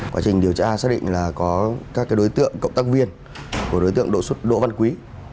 quá trình điều tra xác định là có các đối tượng cộng tác viên của đối tượng đỗ văn quý